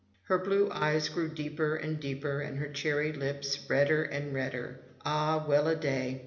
How her blue eyes grew deeper and deeper, and her cherr>^ lips redder and redder! Ah, well a day!